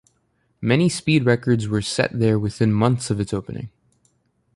Many speed records were set there within months of its opening.